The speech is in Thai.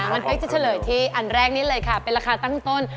งั้นเป๊กจะเฉลยที่อันแรกนี้เลยค่ะเป็นราคาตั้งต้น